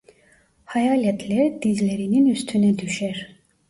Hayaletler dizlerinin üstüne düşer.